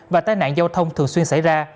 và tai nạn giao thông thường xuyên xảy ra